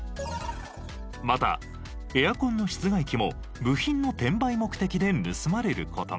またエアコンの室外機も部品の転売目的で盗まれる事が。